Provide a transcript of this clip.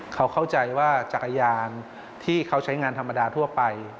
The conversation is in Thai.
เขาเข้าใจว่าจักรยานที่เขาใช้งานธรรมดาทั่วไป